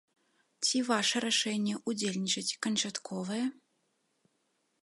Ці ваша рашэнне ўдзельнічаць канчатковае?